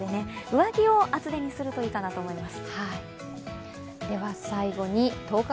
上着を厚手にするといいと思います。